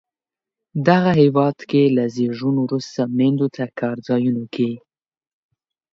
دغه هېواد کې له زیږون وروسته میندو ته کار ځایونو کې